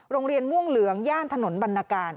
โรงเรียนม่วงเหลืองย่านถนนบรรณการ